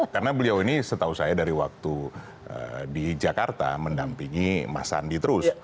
karena beliau ini setahu saya dari waktu di jakarta mendampingi mas sandi terus